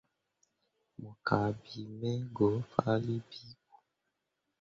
Mo kahɓe me ko fahlii bii ɓo.